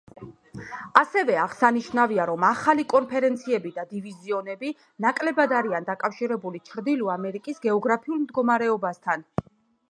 ასევე აღსანიშნავია რომ ახალი კონფერენციები და დივიზიონები ნაკლებად არიან დაკავშირებული ჩრდილო ამერიკის გეოგრაფიულ მდგომარეობასთან.